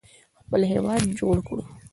خپل هیواد جوړ کړو.